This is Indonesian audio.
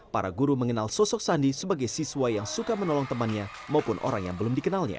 para guru mengenal sosok sandi sebagai siswa yang suka menolong temannya maupun orang yang belum dikenalnya